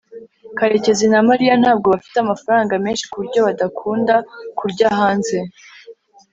karekezi na mariya ntabwo bafite amafaranga menshi kuburyo badakunda kurya hanze